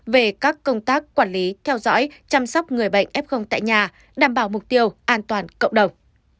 về các công tác quản lý theo dõi chăm sóc người bệnh f tại nhà đảm bảo mục tiêu an toàn cộng đồng